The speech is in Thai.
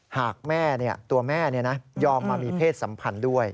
หากแม่ตัวแม่ยอมมามีเพศสัมพันธ์ด้วย